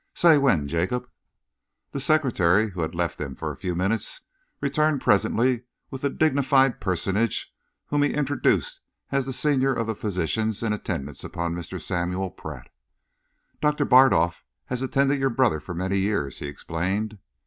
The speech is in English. "Say when, Jacob." The secretary, who had left them for a few minutes, returned presently with a dignified personage whom he introduced as the senior of the physicians in attendance upon Mr. Samuel Pratt. "Doctor Bardolf has attended your brother for many years," he explained.